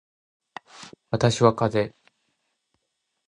私はかぜ